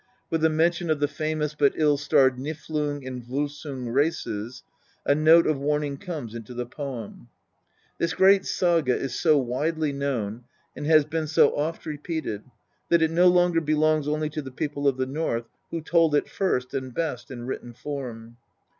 With the mention of the famous but ill starred Niflung and Volsung races, a note of warning comes into the poem. This great saga is so widely known and has been so oft repeated that it no longer belongs only to the people of the North, who told it first and best in written form.